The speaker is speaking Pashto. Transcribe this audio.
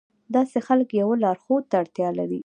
داسې خلک يوه لارښود ته اړتيا لري.